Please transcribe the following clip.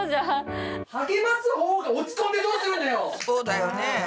そうだよね。